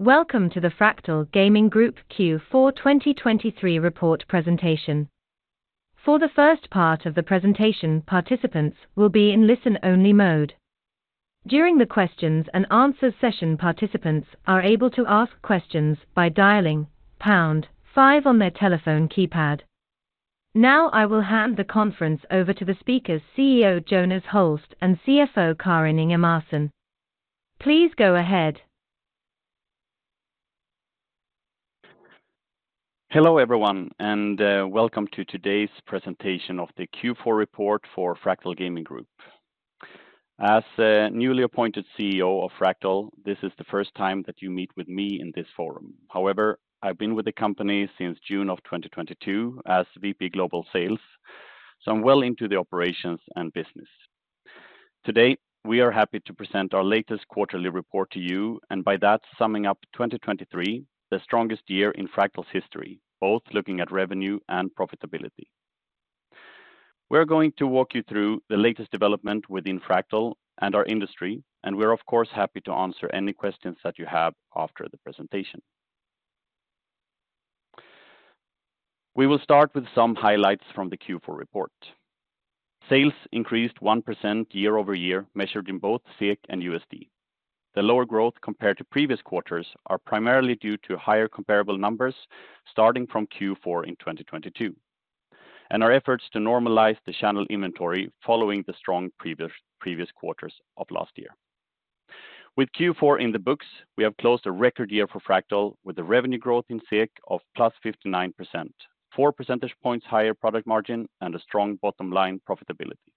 Welcome to the Fractal Gaming Group Q4 2023 report presentation. For the first part of the presentation, participants will be in listen-only mode. During the questions and answers session, participants are able to ask questions by dialing pound five on their telephone keypad. Now, I will hand the conference over to the speakers, CEO Jonas Holst and CFO Karin Ingemarson. Please go ahead. Hello, everyone, and welcome to today's presentation of the Q4 report for Fractal Gaming Group. As the newly appointed CEO of Fractal, this is the first time that you meet with me in this forum. However, I've been with the company since June of 2022 as VP Global Sales, so I'm well into the operations and business. Today, we are happy to present our latest quarterly report to you, and by that, summing up 2023, the strongest year in Fractal's history, both looking at revenue and profitability. We're going to walk you through the latest development within Fractal and our industry, and we're, of course, happy to answer any questions that you have after the presentation. We will start with some highlights from the Q4 report. Sales increased 1% year-over-year, measured in both SEK and USD. The lower growth compared to previous quarters are primarily due to higher comparable numbers, starting from Q4 in 2022, and our efforts to normalize the channel inventory following the strong previous quarters of last year. With Q4 in the books, we have closed a record year for Fractal, with a revenue growth in SEK of +59%, 4% points higher product margin, and a strong bottom line profitability.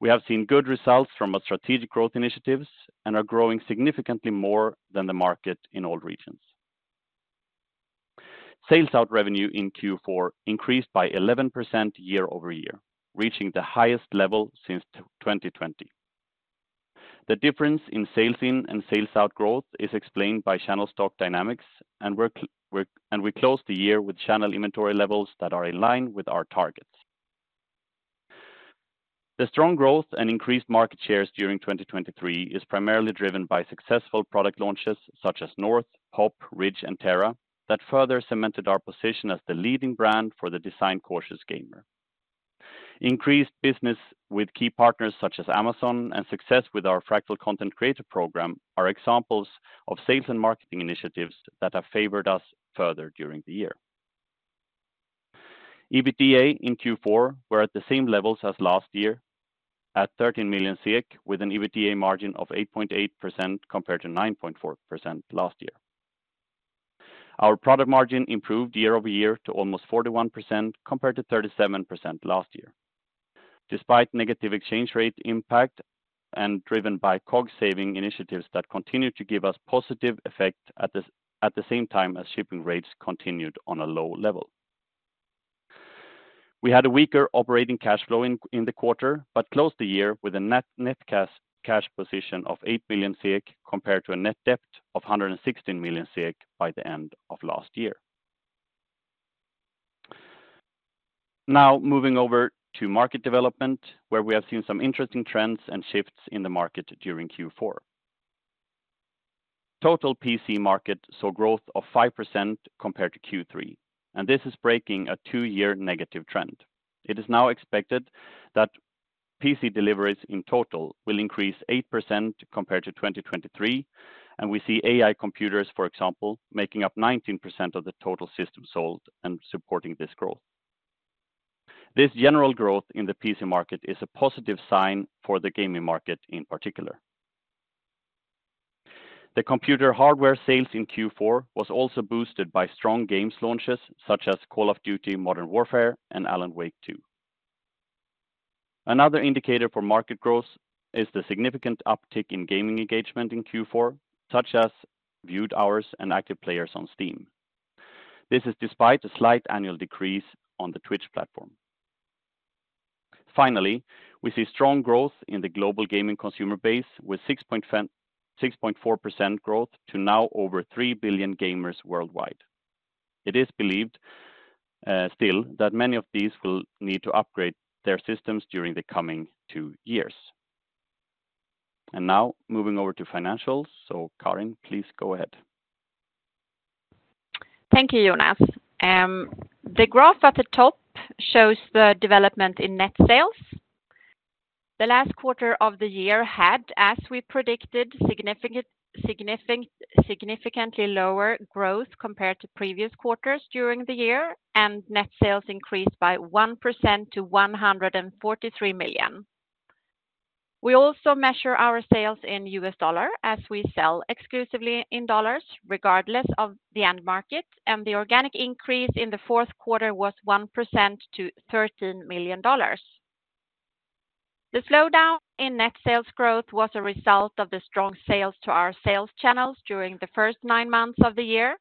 We have seen good results from our strategic growth initiatives and are growing significantly more than the market in all regions. Sales out revenue in Q4 increased by 11% year-over-year, reaching the highest level since 2020. The difference in sales in and sales out growth is explained by channel stock dynamics, and we closed the year with channel inventory levels that are in line with our targets. The strong growth and increased market shares during 2023 is primarily driven by successful product launches such as North, Pop, Ridge, and Terra, that further cemented our position as the leading brand for the design-conscious gamer. Increased business with key partners such as Amazon and success with our Fractal Content Creator program are examples of sales and marketing initiatives that have favored us further during the year. EBITDA in Q4 were at the same levels as last year, at 13 million SEK, with an EBITDA margin of 8.8%, compared to 9.4% last year. Our product margin improved year-over-year to almost 41%, compared to 37% last year. Despite negative exchange rate impact and driven by COGS saving initiatives that continue to give us positive effect at the same time as shipping rates continued on a low level. We had a weaker operating cash flow in the quarter, but closed the year with a net cash position of 8 billion, compared to a net debt of 116 million by the end of last year. Now, moving over to market development, where we have seen some interesting trends and shifts in the market during Q4. Total PC market saw growth of 5% compared to Q3, and this is breaking a two-year negative trend. It is now expected that PC deliveries in total will increase 8% compared to 2023, and we see AI computers, for example, making up 19% of the total system sold and supporting this growth. This general growth in the PC market is a positive sign for the gaming market in particular. The computer hardware sales in Q4 was also boosted by strong games launches, such as Call of Duty: Modern Warfare and Alan Wake 2. Another indicator for market growth is the significant uptick in gaming engagement in Q4, such as viewed hours and active players on Steam. This is despite a slight annual decrease on the Twitch platform. Finally, we see strong growth in the global gaming consumer base, with 6.4% growth to now over three billion gamers worldwide. It is believed, still that many of these will need to upgrade their systems during the coming two years. And now, moving over to financials. So, Karin, please go ahead. Thank you, Jonas. The graph at the top shows the development in net sales. The last quarter of the year had, as we predicted, significantly lower growth compared to previous quarters during the year, and net sales increased by 1% to 143 million. We also measure our sales in U.S. dollar, as we sell exclusively in dollars, regardless of the end market, and the organic increase in the fourth quarter was 1% to $13 million. The slowdown in net sales growth was a result of the strong sales to our sales channels during the first nine months of the year.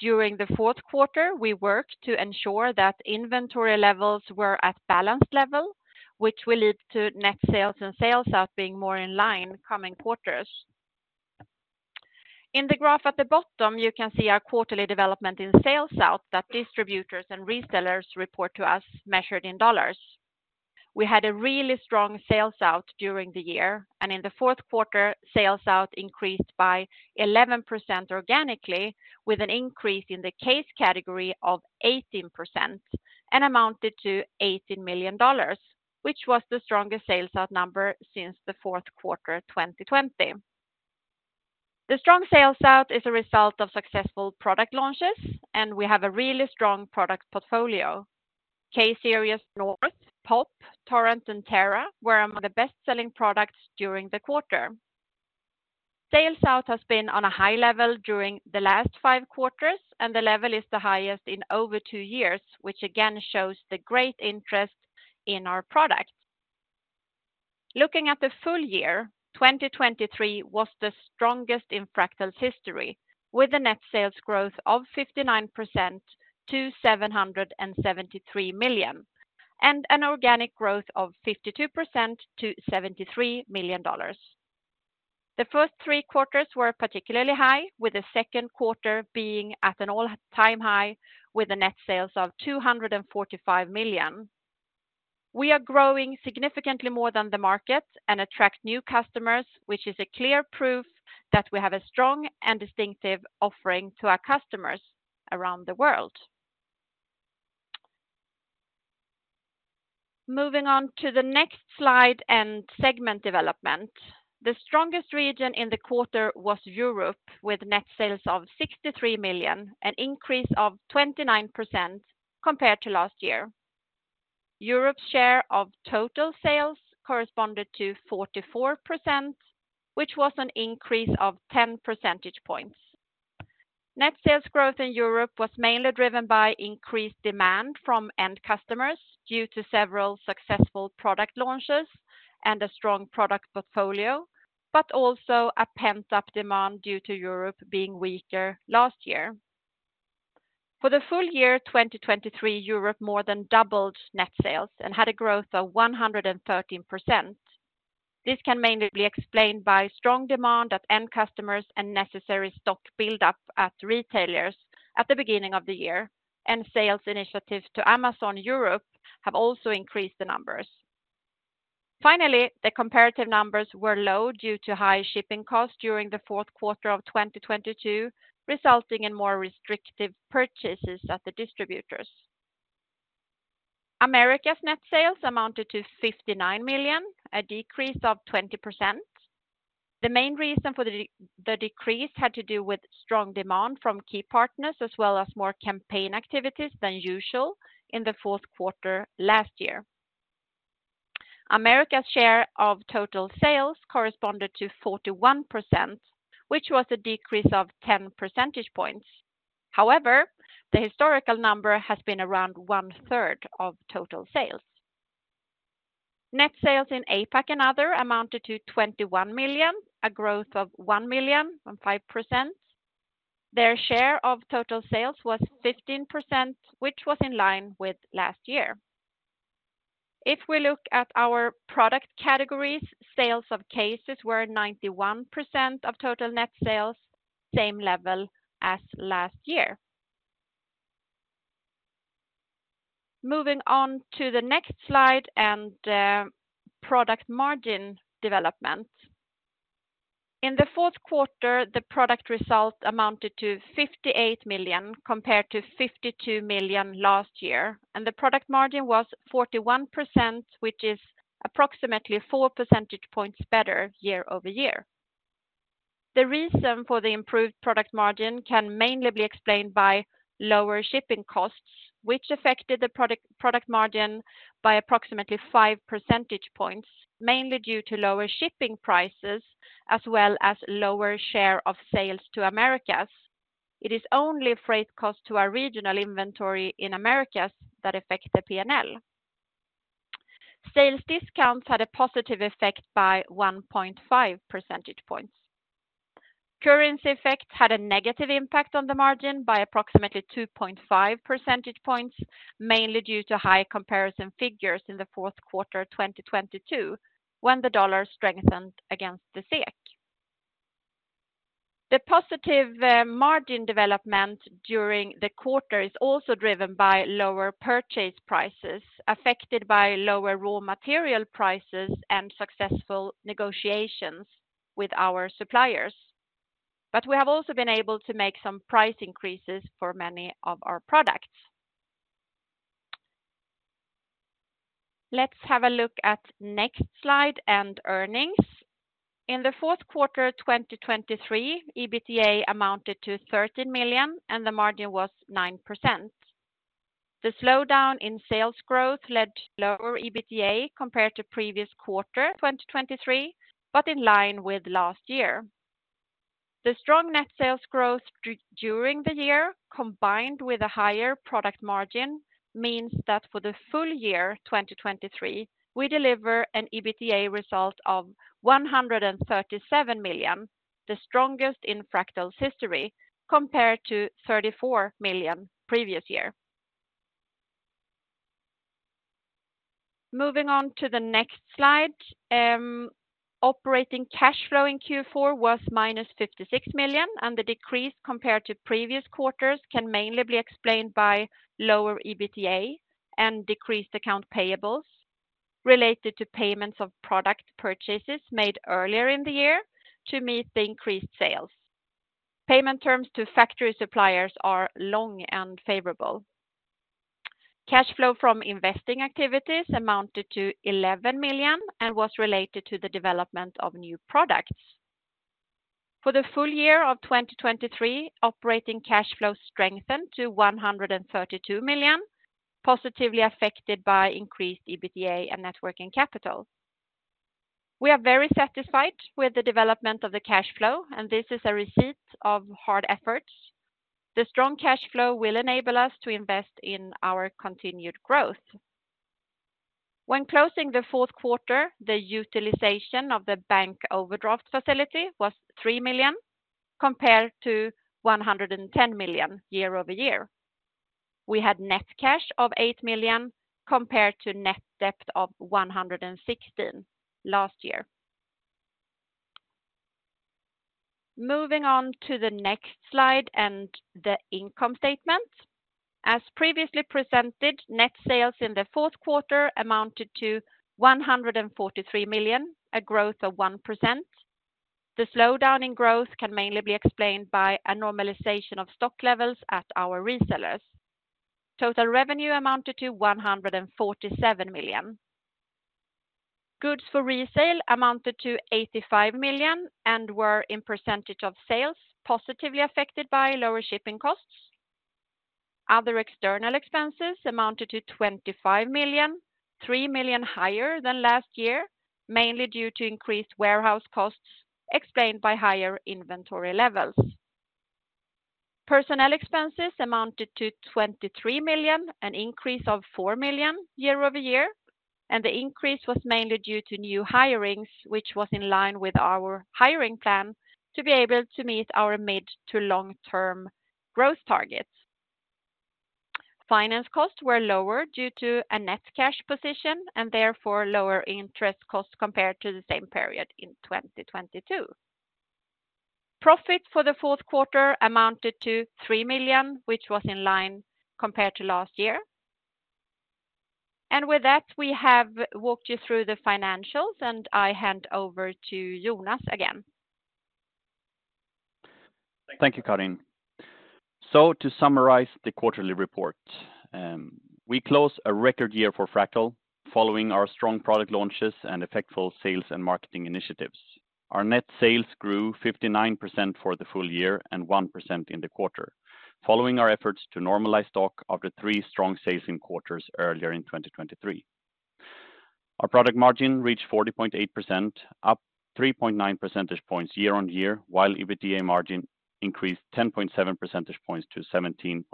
During the fourth quarter, we worked to ensure that inventory levels were at balanced level, which will lead to net sales and sales out being more in line coming quarters. In the graph at the bottom, you can see our quarterly development in sales out that distributors and resellers report to us measured in dollars. We had a really strong sales out during the year, and in the fourth quarter, sales out increased by 11% organically, with an increase in the case category of 18% and amounted to $18 million, which was the strongest sales out number since the fourth quarter of 2020. The strong sales out is a result of successful product launches, and we have a really strong product portfolio. Case series North, Pop, Torrent, and Terra were among the best-selling products during the quarter. Sales out has been on a high level during the last five quarters, and the level is the highest in over two years, which again shows the great interest in our products. Looking at the full year, 2023 was the strongest in Fractal history, with a net sales growth of 59% to 773 million, and an organic growth of 52% to $73 million. The first three quarters were particularly high, with the second quarter being at an all-time high, with a net sales of 245 million. We are growing significantly more than the market and attract new customers, which is a clear proof that we have a strong and distinctive offering to our customers around the world. Moving on to the next slide and segment development. The strongest region in the quarter was Europe, with net sales of 63 million, an increase of 29% compared to last year. Europe's share of total sales corresponded to 44%, which was an increase of 10 percentage points. Net sales growth in Europe was mainly driven by increased demand from end customers due to several successful product launches and a strong product portfolio, but also a pent-up demand due to Europe being weaker last year. For the full year 2023, Europe more than doubled net sales and had a growth of 113%. This can mainly be explained by strong demand at end customers and necessary stock buildup at retailers at the beginning of the year, and sales initiatives to Amazon Europe have also increased the numbers. Finally, the comparative numbers were low due to high shipping costs during the fourth quarter of 2022, resulting in more restrictive purchases at the distributors. Americas' net sales amounted to 59 million, a decrease of 20%. The main reason for the decrease had to do with strong demand from key partners, as well as more campaign activities than usual in the fourth quarter last year. Americas' share of total sales corresponded to 41%, which was a decrease of 10 percentage points. However, the historical number has been around one third of total sales. Net sales in APAC and Other amounted to 21 million, a growth of 1 million, from 5%. Their share of total sales was 15%, which was in line with last year. If we look at our product categories, sales of cases were 91% of total net sales, same level as last year. Moving on to the next slide and product margin development. In the fourth quarter, the product result amounted to 58 million, compared to 52 million last year, and the product margin was 41%, which is approximately 4% points better year-over-year. The reason for the improved product margin can mainly be explained by lower shipping costs, which affected the product margin by approximately 5% points, mainly due to lower shipping prices, as well as lower share of sales to Americas. It is only freight cost to our regional inventory in Americas that affect the P&L. Sales discounts had a positive effect by 1.5 percentage points. Currency effect had a negative impact on the margin by approximately 2.5 percentage points, mainly due to high comparison figures in the fourth quarter of 2022, when the dollar strengthened against the SEK. The positive margin development during the quarter is also driven by lower purchase prices, affected by lower raw material prices and successful negotiations with our suppliers. But we have also been able to make some price increases for many of our products. Let's have a look at next slide and earnings. In the fourth quarter of 2023, EBITDA amounted to 13 million, and the margin was 9%. The slowdown in sales growth led to lower EBITDA compared to previous quarter 2023, but in line with last year. The strong net sales growth during the year, combined with a higher product margin, means that for the full year 2023, we deliver an EBITDA result of 137 million, the strongest in Fractal history, compared to 34 million previous year. Moving on to the next slide... Operating cash flow in Q4 was -56 million, and the decrease compared to previous quarters can mainly be explained by lower EBITDA and decreased accounts payable related to payments of product purchases made earlier in the year to meet the increased sales. Payment terms to factory suppliers are long and favorable. Cash flow from investing activities amounted to 11 million and was related to the development of new products. For the full year of 2023, operating cash flow strengthened to 132 million, positively affected by increased EBITDA and working capital. We are very satisfied with the development of the cash flow, and this is a result of hard efforts. The strong cash flow will enable us to invest in our continued growth. When closing the fourth quarter, the utilization of the bank overdraft facility was three million, compared to 110 million year over year. We had net cash of 8 million, compared to net debt of 116 million last year. Moving on to the next slide and the income statement. As previously presented, net sales in the fourth quarter amounted to 143 million, a growth of 1%. The slowdown in growth can mainly be explained by a normalization of stock levels at our resellers. Total revenue amounted to 147 million. Goods for resale amounted to 85 million and were, in percentage of sales, positively affected by lower shipping costs. Other external expenses amounted to 25 million, three million higher than last year, mainly due to increased warehouse costs, explained by higher inventory levels. Personnel expenses amounted to 23 million, an increase of four million year-over-year, and the increase was mainly due to new hirings, which was in line with our hiring plan to be able to meet our mid- to long-term growth targets. Finance costs were lower due to a net cash position and therefore lower interest costs compared to the same period in 2022. Profit for the fourth quarter amounted to 3 million, which was in line compared to last year. And with that, we have walked you through the financials, and I hand over to Jonas again. Thank you, Karin. So to summarize the quarterly report, we close a record year for Fractal following our strong product launches and effective sales and marketing initiatives. Our net sales grew 59% for the full year and 1% in the quarter, following our efforts to normalize stock after three strong sales in quarters earlier in 2023. Our product margin reached 40.8%, up 3.9 percentage points year-on-year, while EBITDA margin increased 10.7 percentage points to 17.7%.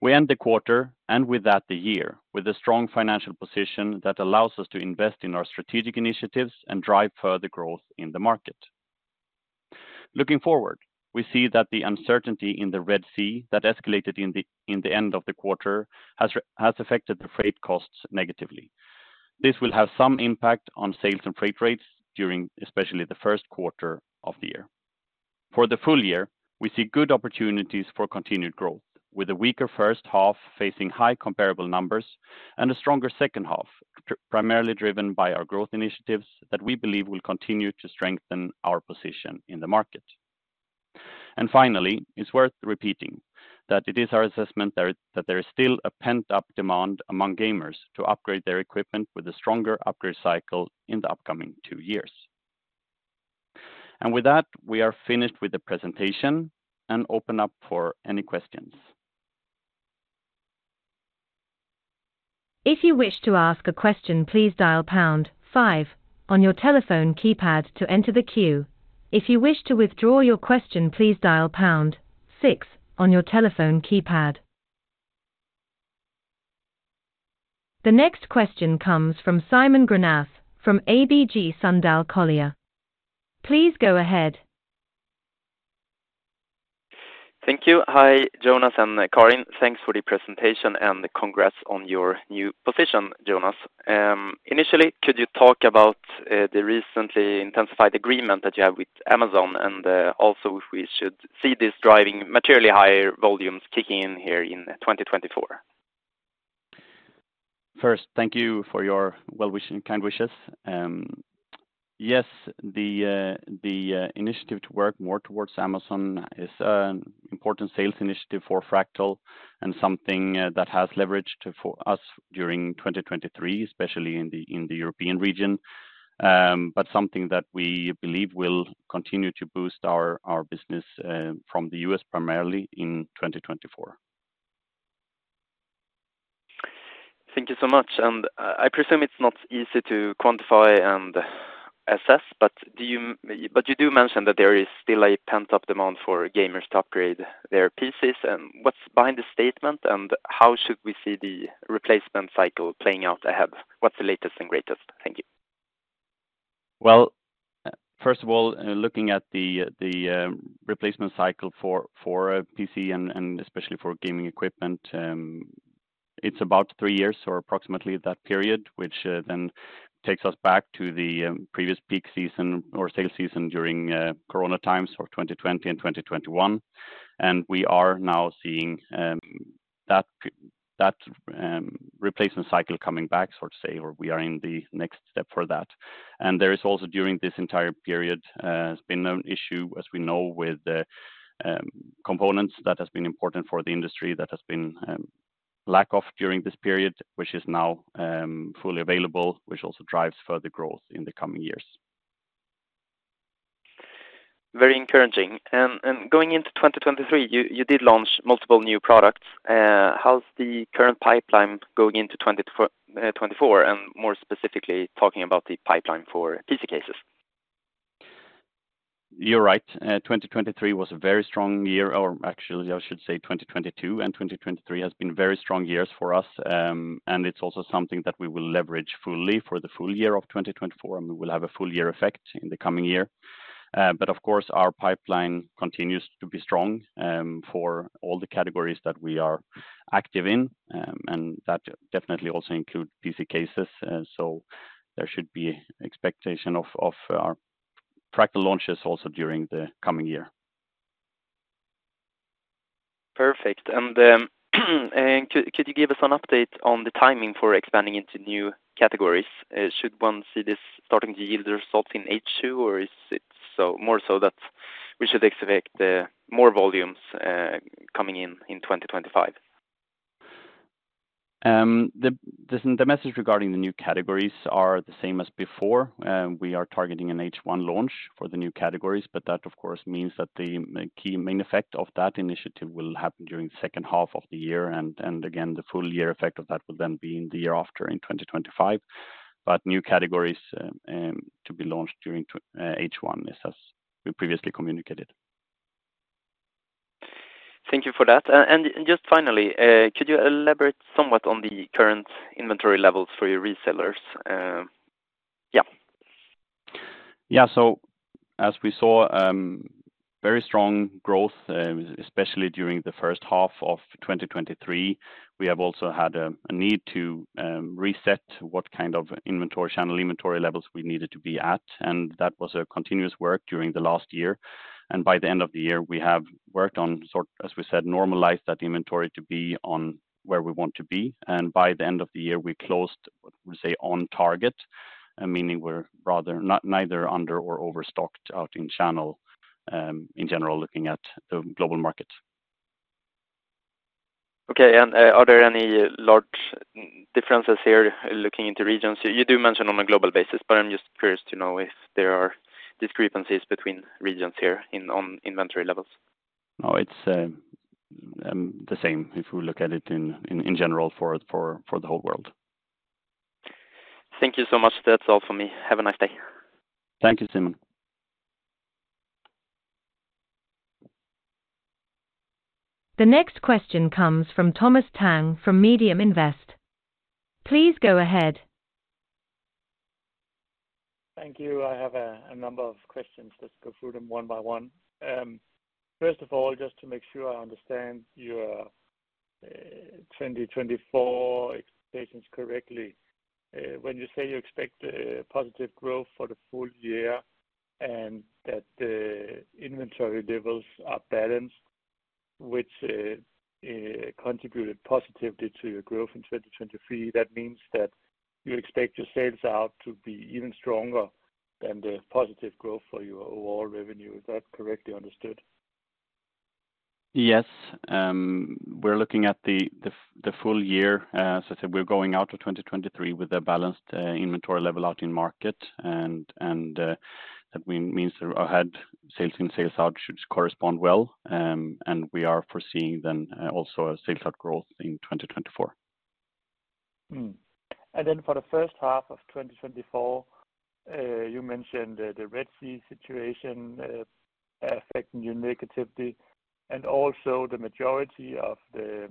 We end the quarter, and with that, the year, with a strong financial position that allows us to invest in our strategic initiatives and drive further growth in the market. Looking forward, we see that the uncertainty in the Red Sea that escalated in the end of the quarter has affected the freight costs negatively. This will have some impact on sales and freight rates during, especially the first quarter of the year. For the full year, we see good opportunities for continued growth, with a weaker first half facing high comparable numbers and a stronger second half, primarily driven by our growth initiatives that we believe will continue to strengthen our position in the market. And finally, it's worth repeating that it is our assessment that there is still a pent-up demand among gamers to upgrade their equipment with a stronger upgrade cycle in the upcoming two years. And with that, we are finished with the presentation and open up for any questions. If you wish to ask a question, please dial pound five on your telephone keypad to enter the queue. If you wish to withdraw your question, please dial pound six on your telephone keypad. The next question comes from Simon Granath, from ABG Sundal Collier. Please go ahead. Thank you. Hi, Jonas and Karin. Thanks for the presentation and congrats on your new position, Jonas. Initially, could you talk about the recently intensified agreement that you have with Amazon, and also, if we should see this driving materially higher volumes kicking in here in 2024? First, thank you for your well wishing, kind wishes. Yes, the initiative to work more towards Amazon is an important sales initiative for Fractal and something that has leveraged for us during 2023, especially in the European region, but something that we believe will continue to boost our business from the US, primarily in 2024. Thank you so much. I presume it's not easy to quantify and assess, but you do mention that there is still a pent-up demand for gamers to upgrade their pieces. What's behind the statement, and how should we see the replacement cycle playing out ahead? What's the latest and greatest? Thank you. Well, first of all, looking at the replacement cycle for a PC and especially for gaming equipment, it's about three years or approximately that period, which then takes us back to the previous peak season or sales season during corona times for 2020 and 2021. And we are now seeing that replacement cycle coming back, so to say, or we are in the next step for that. And there is also, during this entire period, it's been an issue, as we know, with the components that has been important for the industry, that has been lack of during this period, which is now fully available, which also drives further growth in the coming years. Very encouraging. And going into 2023, you did launch multiple new products. How's the current pipeline going into 2024? And more specifically, talking about the pipeline for PC cases. You're right. 2023 was a very strong year, or actually, I should say 2022 and 2023 has been very strong years for us. And it's also something that we will leverage fully for the full year of 2024, and we will have a full year effect in the coming year. But of course, our pipeline continues to be strong for all the categories that we are active in. And that definitely also include PC cases. So there should be expectation of, of our practical launches also during the coming year. Perfect. And could you give us an update on the timing for expanding into new categories? Should one see this starting to yield results in H2, or is it more so that we should expect more volumes coming in in 2025? The message regarding the new categories are the same as before. We are targeting an H1 launch for the new categories, but that, of course, means that the key main effect of that initiative will happen during the second half of the year, and again, the full year effect of that will then be in the year after, in 2025. But new categories to be launched during H1 is as we previously communicated. Thank you for that. And just finally, could you elaborate somewhat on the current inventory levels for your resellers? Yeah. Yeah. So as we saw, very strong growth, especially during the first half of 2023, we have also had a need to reset what kind of inventory, channel inventory levels we needed to be at, and that was a continuous work during the last year. And by the end of the year, we have worked on, sort, as we said, normalized that inventory to be on where we want to be, and by the end of the year, we closed, we say, on target. Meaning we're rather not, neither under or overstocked out in channel, in general, looking at the global market. Okay, and, are there any large differences here looking into regions? You do mention on a global basis, but I'm just curious to know if there are discrepancies between regions here in, on inventory levels. No, it's the same if we look at it in general, for the whole world. Thank you so much. That's all for me. Have a nice day. Thank you, Simon. The next question comes from Thomas Tang from MediumInvest. Please go ahead. Thank you. I have a number of questions. Let's go through them one by one. First of all, just to make sure I understand your 2024 expectations correctly. When you say you expect a positive growth for the full year and that the inventory levels are balanced, which contributed positively to your growth in 2023, that means that you expect your sales out to be even stronger than the positive growth for your overall revenue. Is that correctly understood? Yes. We're looking at the full year. So I said we're going out of 2023 with a balanced inventory level out in market, and that means that our sales in and sales out should correspond well, and we are foreseeing then also a sales out growth in 2024. Then for the first half of 2024, you mentioned the Red Sea situation affecting you negatively, and also the majority of the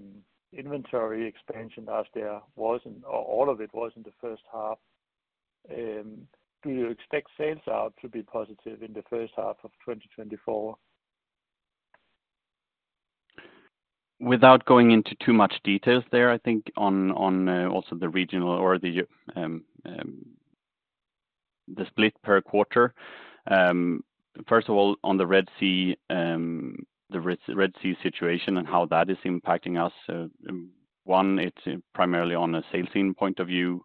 inventory expansion as there was, or all of it was in the first half. Do you expect sales out to be positive in the first half of 2024? Without going into too much details there, I think also the regional or the split per quarter. First of all, on the Red Sea, the Red Sea situation and how that is impacting us, one, it's primarily on a sales team point of view,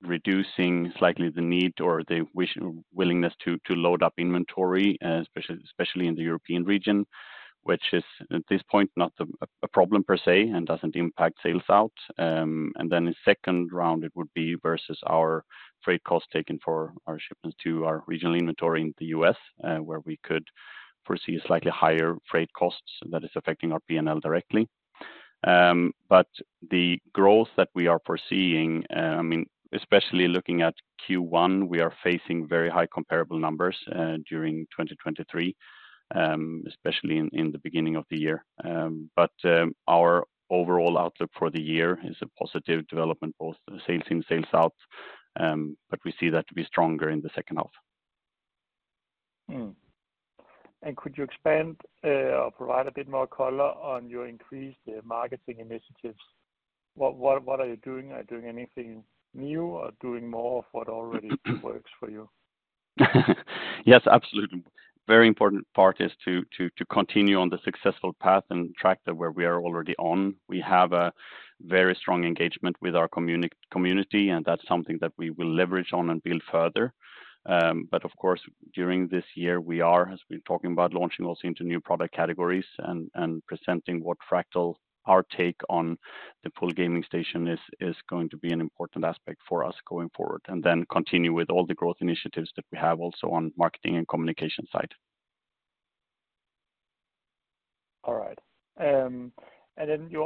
reducing slightly the need or the wish, willingness to load up inventory, especially in the European region, which is, at this point, not a problem per se, and doesn't impact sales out. And then in second round, it would be versus our freight costs taken for our shipments to our regional inventory in the U.S., where we could foresee a slightly higher freight costs, and that is affecting our P&L directly. But the growth that we are foreseeing, I mean, especially looking at Q1, we are facing very high comparable numbers during 2023. Especially in the beginning of the year. But our overall outlook for the year is a positive development, both in sales in, sales out, but we see that to be stronger in the second half. And could you expand or provide a bit more color on your increased marketing initiatives? What are you doing? Are you doing anything new or doing more of what already works for you? Yes, absolutely. Very important part is to continue on the successful path and track that we are already on. We have a very strong engagement with our community, and that's something that we will leverage on and build further. But of course, during this year, we are, as we've been talking about, launching also into new product categories and presenting what Fractal, our take on the full gaming station is, going to be an important aspect for us going forward, and then continue with all the growth initiatives that we have also on marketing and communication side. All right. And then you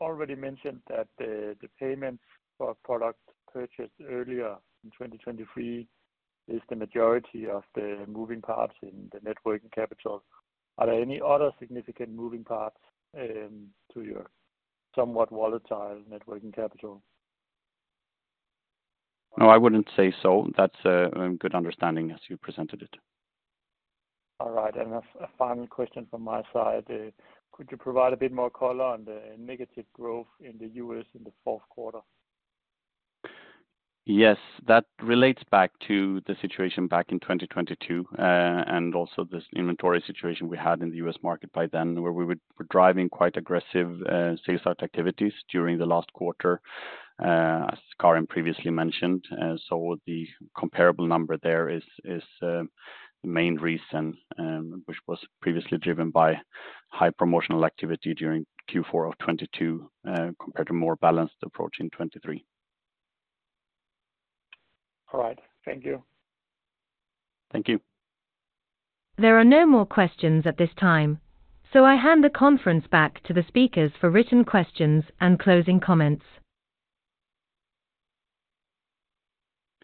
already mentioned that the payments for products purchased earlier in 2023 is the majority of the moving parts in the working capital. Are there any other significant moving parts to your somewhat volatile working capital? No, I wouldn't say so. That's a, good understanding as you presented it. All right, and a final question from my side. Could you provide a bit more color on the negative growth in the U.S. in the fourth quarter? Yes, that relates back to the situation back in 2022, and also this inventory situation we had in the U.S. market by then, where we were driving quite aggressive sales out activities during the last quarter, as Karin previously mentioned. So the comparable number there is the main reason, which was previously driven by high promotional activity during Q4 of 2022, compared to more balanced approach in 2023. All right. Thank you. Thank you. There are no more questions at this time, so I hand the conference back to the speakers for written questions and closing comments.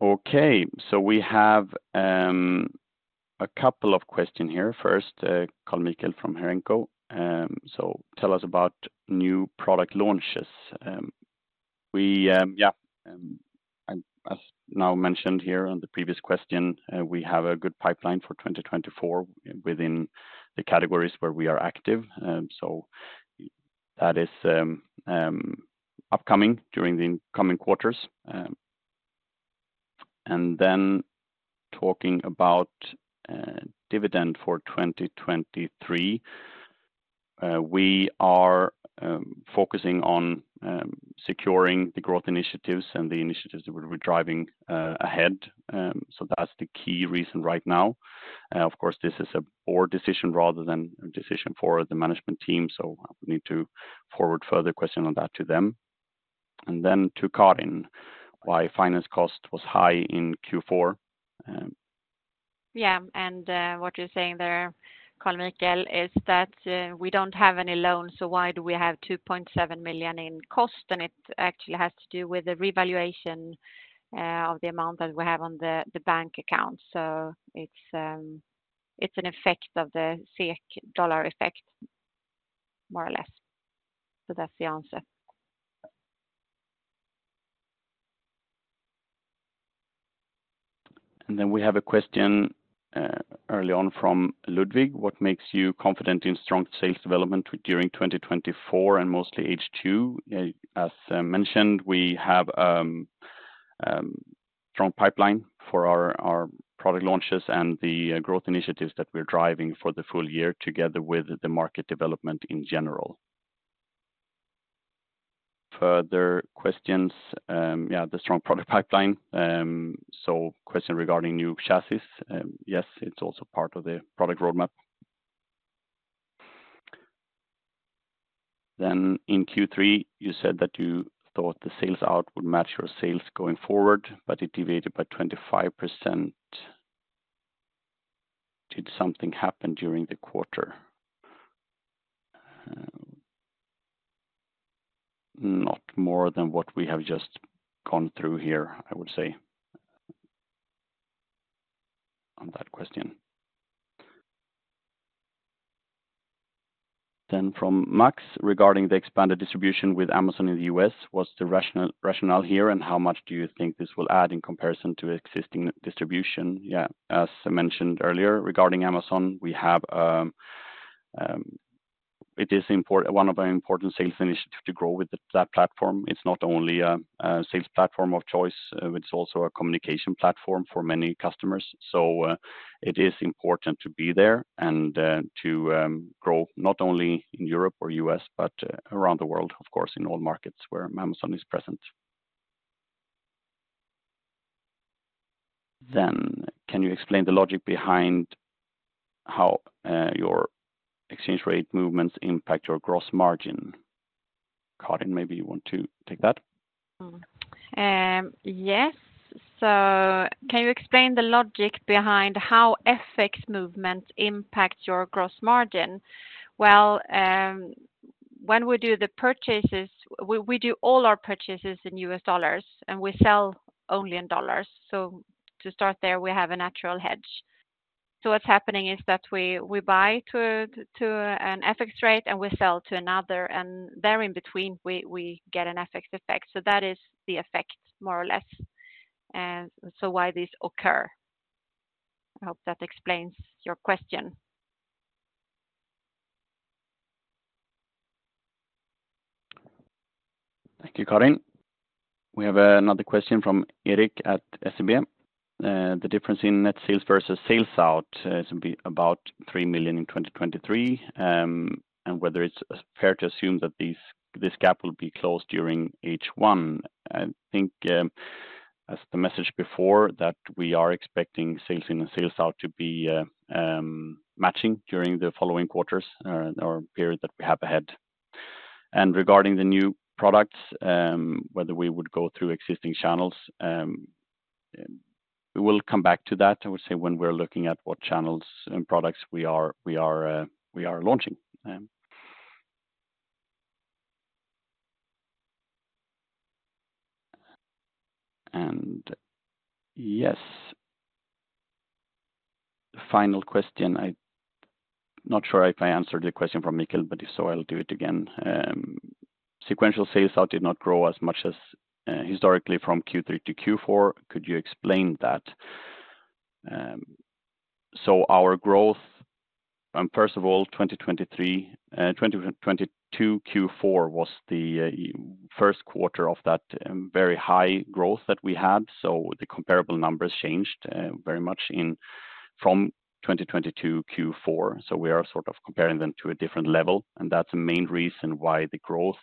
Okay. So we have a couple of questions here. First, Carl-Mikael from Herenco. "So tell us about new product launches." We, yeah, as now mentioned here on the previous question, we have a good pipeline for 2024 within the categories where we are active. So that is upcoming during the coming quarters. And then talking about dividend for 2023, we are focusing on securing the growth initiatives and the initiatives that we're driving ahead. So that's the key reason right now. Of course, this is a board decision rather than a decision for the management team, so I will need to forward further questions on that to them. And then to Karin, "Why finance cost was high in Q4? Yeah, and what you're saying there, Carl-Mikael, is that we don't have any loans, so why do we have 2.7 million in cost? And it actually has to do with the revaluation of the amount that we have on the bank account. So it's an effect of the SEK dollar effect, more or less. So that's the answer. Then we have a question early on from Ludwig: "What makes you confident in strong sales development during 2024 and mostly H2?" As mentioned, we have strong pipeline for our product launches and the growth initiatives that we're driving for the full year, together with the market development in general. Further questions, yeah, the strong product pipeline. So question regarding new chassis, yes, it's also part of the product roadmap. Then in Q3, you said that you thought the sales out would match your sales going forward, but it deviated by 25%. Did something happen during the quarter? Not more than what we have just gone through here, I would say, on that question. Then from Max: "Regarding the expanded distribution with Amazon in the U.S., what's the rationale here, and how much do you think this will add in comparison to existing distribution?" Yeah. As I mentioned earlier, regarding Amazon, we have... It is one of our important sales initiative to grow with that platform. It's not only a sales platform of choice, it's also a communication platform for many customers. So, it is important to be there and to grow not only in Europe or U.S., but around the world, of course, in all markets where Amazon is present. Then, "Can you explain the logic behind how your exchange rate movements impact your gross margin?" Karin, maybe you want to take that? Yes. So can you explain the logic behind how FX movements impact your gross margin? Well, when we do the purchases, we do all our purchases in U.S. dollars, and we sell only in dollars. So to start there, we have a natural hedge. So what's happening is that we buy to an FX rate, and we sell to another, and there in between, we get an FX effect. So that is the effect, more or less, so why these occur. I hope that explains your question. Thank you, Karin. We have another question from Erik at SEB. The difference in net sales versus sales out is about three million in 2023, and whether it's fair to assume that this gap will be closed during H1. I think, as the message before, that we are expecting sales in and sales out to be matching during the following quarters or period that we have ahead. And regarding the new products, whether we would go through existing channels, we will come back to that, I would say when we're looking at what channels and products we are launching. And yes. Final question, I'm not sure if I answered the question from Mikkel, but if so, I'll do it again. Sequential sales out did not grow as much as historically from Q3 to Q4. Could you explain that? So our growth, and first of all, 2023, 2022 Q4 was the first quarter of that very high growth that we had. So the comparable numbers changed very much from 2022 Q4. So we are sort of comparing them to a different level, and that's the main reason why the growth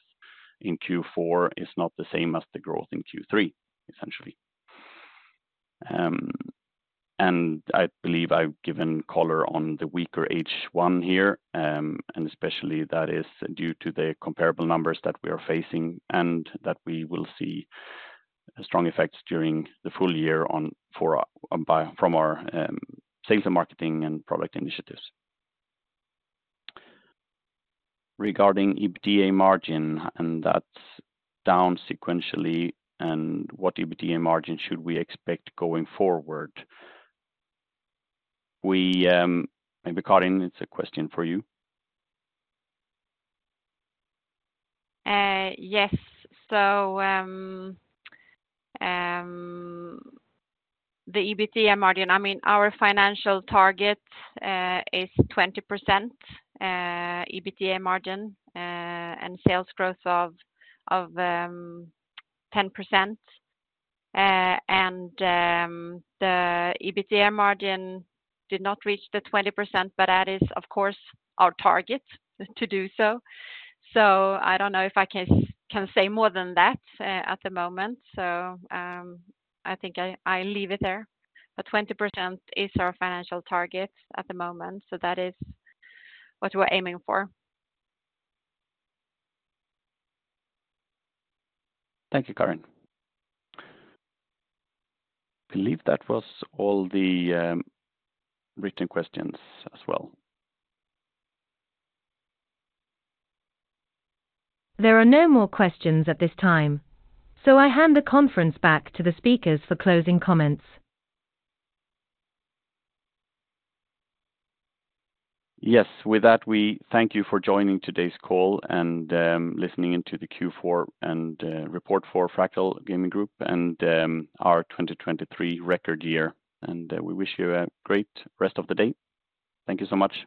in Q4 is not the same as the growth in Q3, essentially. And I believe I've given color on the weaker H1 here, and especially that is due to the comparable numbers that we are facing, and that we will see strong effects during the full year from our sales and marketing and product initiatives. Regarding EBITDA margin, and that's down sequentially, and what EBITDA margin should we expect going forward? We, maybe, Karin, it's a question for you. Yes. So, the EBITDA margin, I mean, our financial target, is 20% EBITDA margin, and sales growth of ten percent. And, the EBITDA margin did not reach the 20%, but that is, of course, our target to do so. So I don't know if I can say more than that, at the moment. So, I think I leave it there. But 20% is our financial target at the moment, so that is what we're aiming for. Thank you, Karin. I believe that was all the written questions as well. There are no more questions at this time, so I hand the conference back to the speakers for closing comments. Yes. With that, we thank you for joining today's call and listening into the Q4 and report for Fractal Gaming Group and our 2023 record year. We wish you a great rest of the day. Thank you so much.